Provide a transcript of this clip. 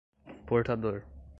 portador